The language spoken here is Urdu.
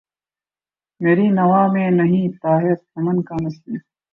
مری نوا میں نہیں طائر چمن کا نصیب